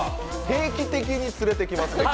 定期的に連れてきますね。